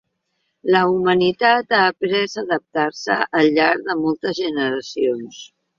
La humanitat ha après a adaptar-se al llarg de moltes generacions.